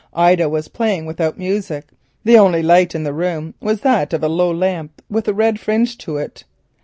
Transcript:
Ida was playing without music—the only light in the room was that of a low lamp with a red fringe to it.